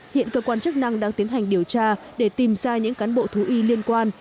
hiện cơ quan chức năng đang tiến hành điều tra để tìm ra những cán bộ thú y liên quan